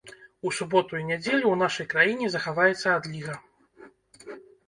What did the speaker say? У суботу і нядзелю ў нашай краіне захаваецца адліга.